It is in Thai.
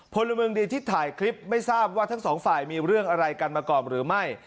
พลเมืองดีที่ถ่ายคลิปไม่ทราบว่าทั้งสองฝ่ายมีเรื่องอะไรกันมาก่อนหรือไม่